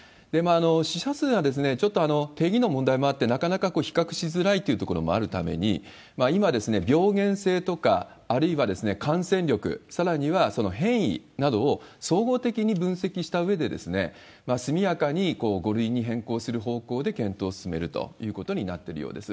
死者数はちょっと定義の問題もあって、なかなか比較しづらいというところもあるために、今、病原性とか、あるいは感染力、さらには、変異などを総合的に分析したうえで、速やかに５類に変更する方向で検討を進めるということになってるようです。